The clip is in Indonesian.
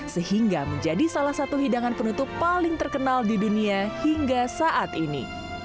sehingga menjadi salah satu hidangan penutup paling terkenal di dunia hingga saat ini